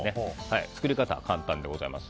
作り方は簡単です。